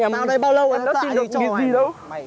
tao ở đây bao lâu tao đã xin được cái gì đâu